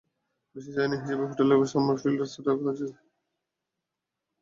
বিশেষ আয়োজন হিসেবে হোটেলের সামার ফিল্ড রেস্তোরাঁয় থাকছে সেহ্রি খাওয়ার সুবিধা।